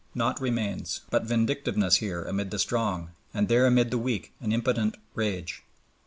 Nought remains But vindictiveness here amid the strong, And there amid the weak an impotent rage.